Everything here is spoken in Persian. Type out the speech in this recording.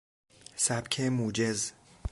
سبک موجز